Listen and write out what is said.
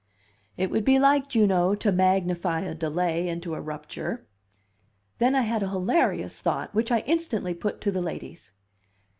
It would be like Juno to magnify a delay into a rupture. Then I had a hilarious thought, which I instantly put to the ladies.